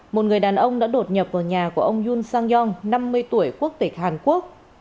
một người đàn ông đã đột nhập vào nhà của ông yun sang yong năm mươi tuổi quốc tịch hàn quốc